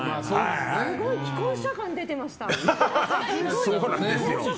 すごい既婚者感出てました。